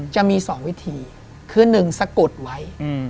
จะมี๒วิธีคือ๑สะกดไว้